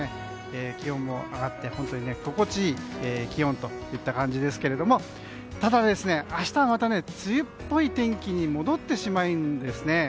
気温も上がって心地よい気温といった感じですがただ、明日はまた梅雨っぽい天気に戻ってしまうんですね。